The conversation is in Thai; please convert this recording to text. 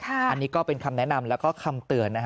อันนี้ก็เป็นคำแนะนำแล้วก็คำเตือน